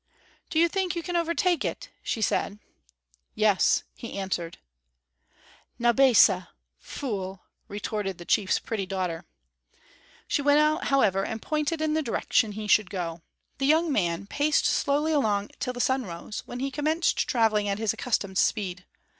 "Do you think you can overtake it?" she said. "Yes," he answered. "Naubesah fool!" retorted the chief's pretty daughter. She went out, however, and pointed in the direction he should go. The young man paced slowly along till the sun arose, when he commenced traveling at his accustomed speed.